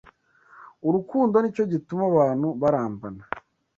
Urukundo nicyo gituma abantu barambana